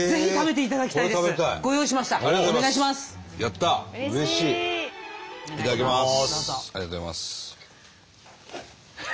いただきます。